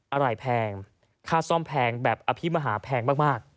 อะไรแพงค่าซ่อมแพงแบบอภิมหาแพงมาก